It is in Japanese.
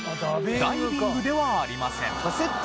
ダイビングではありません。